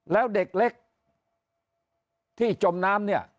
แล้วเด็กเล็กที่จมน้ำเนี่ย